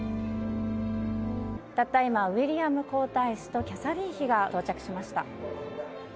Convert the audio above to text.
たった今、ウィリアム皇太子とキャサリン妃が到着しました。